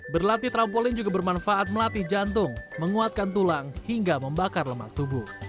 berlatih trampolin juga bermanfaat melatih jantung menguatkan tulang hingga membakar lemak tubuh